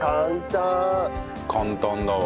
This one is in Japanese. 簡単だわ。